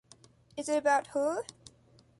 Is it about her?